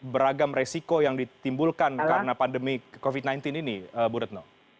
beragam resiko yang ditimbulkan karena pandemi covid sembilan belas ini bu retno